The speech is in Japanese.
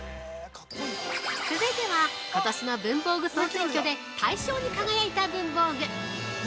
続いてはことしの文房具総選挙で大賞に輝いた文房具。